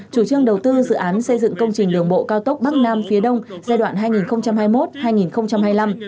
chủ trương đầu tư dự án xây dựng công trình đường bộ cao tốc bắc nam phía đông giai đoạn hai nghìn hai mươi một hai nghìn hai mươi năm